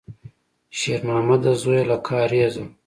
شېرمامده زویه، له کارېزه!